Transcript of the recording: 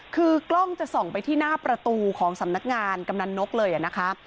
คือกล้องจะส่องไปที่หน้าประตูของสำนักงานกำนันนกเลยนะคะ